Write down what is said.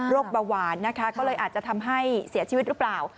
โรคบะหวานก็เลยอาจจะทำให้เสียชีวิตรึเปล่า